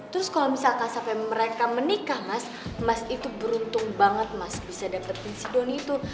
terus kalo misalkan sampe mereka menikah mas mas itu beruntung banget mas bisa dapetin si donny itu